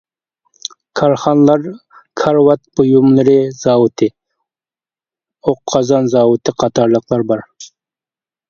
كارخانىلار كارىۋات بۇيۇملىرى زاۋۇتى، ئوق قازان زاۋۇتى قاتارلىقلار بار.